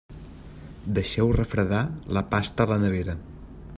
Deixeu refredar la pasta a la nevera.